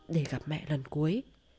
để gặp mẹ lần cuối